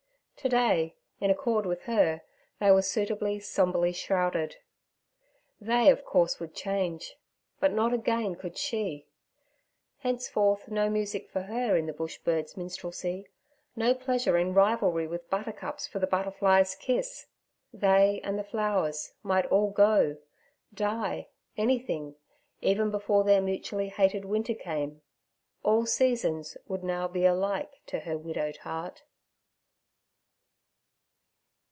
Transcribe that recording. To day, in accord with her, they were suitably, sombrely shrouded. They, of course, would change, but not again could she; henceforth no music for her in the Bush birds' minstrelsy, no pleasure in rivalry with buttercups for the butterflies' kiss. They and the flowers might all go, die, anything, even before their mutually hated winter came; all seasons would now be alike to her widowed heart.